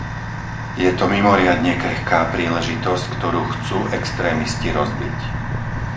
Je to mimoriadne krehká príležitosť, ktorú chcú extrémisti rozbiť.